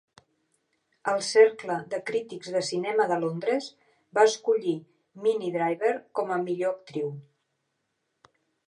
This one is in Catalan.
El Cercle de Crítics de Cinema de Londres va escollir Minnie Driver com a millor actriu.